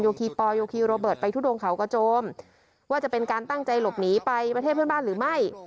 ีปอลโยคีโรเบิร์ตไปทุดงเขากระโจมว่าจะเป็นการตั้งใจหลบหนีไปประเทศเพื่อนบ้านหรือไม่